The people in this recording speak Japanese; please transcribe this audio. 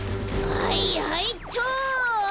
はいはいっちょ！